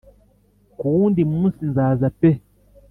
kuwundi munsi nzaza pe